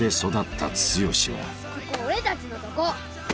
ここ俺たちのとこ